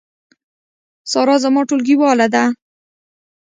سارا زما ټولګیواله ده